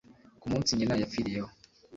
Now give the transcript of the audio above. Ku munsi nyina yapfiriyeho